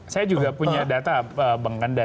saya juga punya data bang kanda